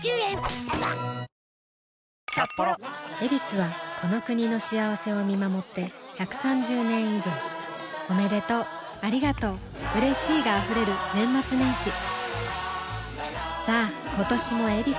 「ヱビス」はこの国の幸せを見守って１３０年以上おめでとうありがとううれしいが溢れる年末年始さあ今年も「ヱビス」で